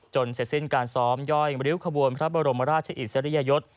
เสร็จสิ้นการซ้อมย่อยริ้วขบวนพระบรมราชอิสริยยศ